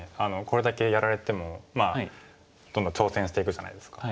これだけやられてもどんどん挑戦していくじゃないですか。